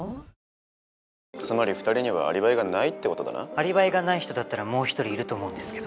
アリバイがない人だったらもう一人いると思うんですけど。